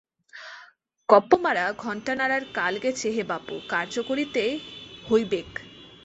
গপ্প মারা ঘণ্টা নাড়ার কাল গেছে হে বাপু, কার্য করিতে হইবেক।